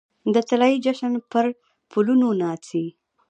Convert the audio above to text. د طلايې جشن پرپلونو ناڅي